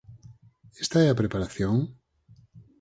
¿Esta é a preparación?